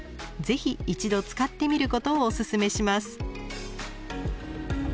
ぜひ一度使ってみることをおすすめします。